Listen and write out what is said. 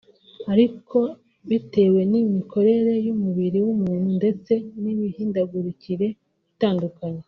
Ariko bitewe n’imikorere y’umubiri w’umuntu ndetse n’imihindagurikire itandukanye